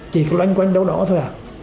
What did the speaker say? chỉ loanh quanh đâu đó thôi à